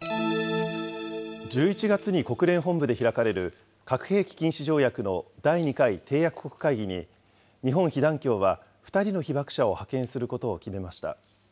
１１月に国連本部で開かれる核兵器禁止条約の第２回締約国会議に、日本被団協は２人の被爆者を派遣することを決めました。